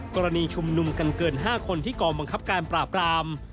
กรณีชุมนุมกันเกิน๕คนที่กองบังคับการปราบราม